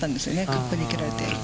カップに蹴られて。